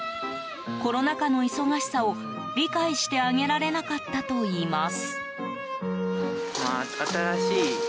コロナ禍の忙しさを理解してあげられなかったといいます。